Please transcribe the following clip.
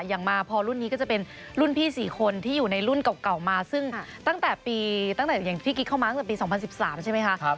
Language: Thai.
อย่างมาพอรุ่นนี้ก็จะเป็นรุ่นพี่๔คนที่อยู่ในรุ่นเก่ามาซึ่งตั้งแต่อย่างที่กิ๊กเข้ามาตั้งแต่ปี๒๐๑๓ใช่ไหมคะ